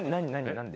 何で？